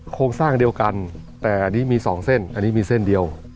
โครงสร้างเดียวกันแต่อันนี้มี๒เส้นอันนี้มีเส้นเดียว